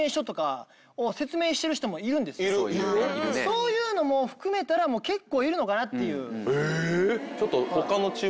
そういうのも含めたら結構いるのかなっていう。